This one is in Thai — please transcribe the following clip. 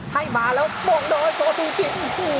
ให้มาแล้วโป่งโดยโฆซุกิน